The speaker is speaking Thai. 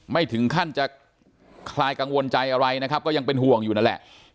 ไม่ถึงขั้นจะคลายกังวลใจอะไรนะครับก็ยังเป็นห่วงอยู่นั่นแหละ